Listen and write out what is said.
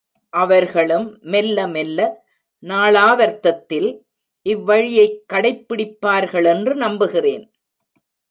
அவர்களும் மெல்ல மெல்ல, நாளாவர்த்தத்தில் இவ்வழியைக் கடைப்பிடிப்பார்களென்று நம்புகிறேன்.